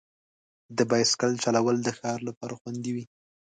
د بایسکل چلول د ښار لپاره خوندي وي.